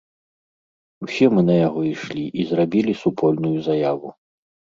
Усе мы на яго ішлі і зрабілі супольную заяву.